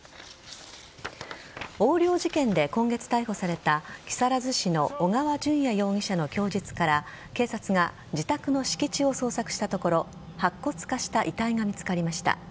横領事件で今月逮捕された木更津市の小川順也容疑者の供述から警察が自宅の敷地を捜索したところ白骨化した遺体が見つかりました。